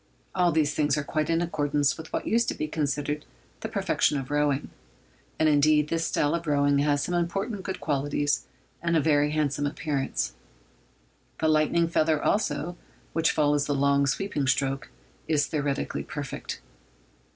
All these things are quite in accordance with what used to be considered the perfection of rowing; and, indeed, this style of rowing has some important good qualities and a very handsome appearance. The lightning feather, also, which follows the long sweeping stroke, is theoretically perfect.